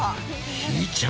ひーちゃん。